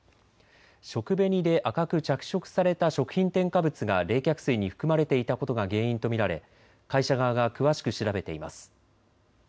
食紅で赤く着色された食品添加物が冷却水に含まれていたことが原因と見られ会社側が詳しく調べています。